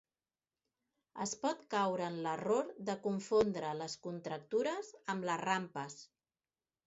Es pot caure en l'error de confondre les contractures amb les rampes.